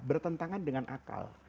bertentangan dengan akal